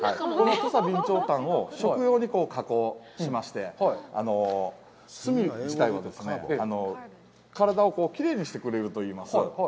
土佐備長炭を食用に加工しまして、炭自体は、体をきれいにしてくれるといいます。